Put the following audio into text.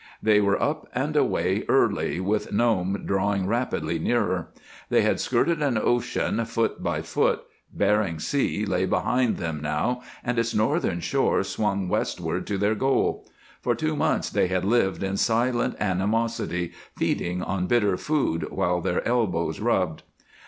They were up and away early, with Nome drawing rapidly nearer. They had skirted an ocean, foot by foot; Bering Sea lay behind them, now, and its northern shore swung westward to their goal. For two months they had lived in silent animosity, feeding on bitter food while their elbows rubbed.